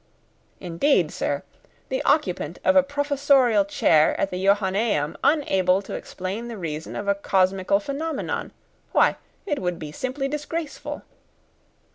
"Indeed, sir! The occupant of a professorial chair at the Johannæum unable to explain the reason of a cosmical phenomenon! Why, it would be simply disgraceful!"